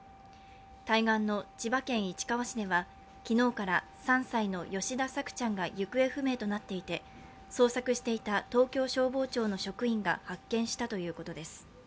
対岸の千葉県市川市では昨日から３歳の吉田朔ちゃんが行方不明となっていて捜索していた東京消防庁の職員が発見したということです。